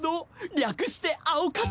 略して青活。